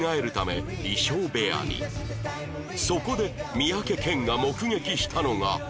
そこで三宅健が目撃したのが